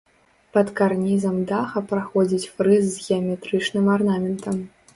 Пад карнізам даха праходзіць фрыз з геаметрычным арнаментам.